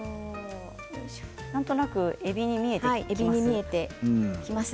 なんとなくえびに見えてきます。